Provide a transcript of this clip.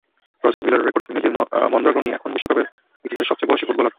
Roger Miller record ভেঙে দিয়ে মনদ্রাগনই এখন বিশ্বকাপের ইতিহাসে সবচেয়ে বয়সী ফুটবলার।